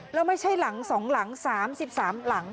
แล้วไม่ใช่หลังสองหลังสามสิบสามหลัง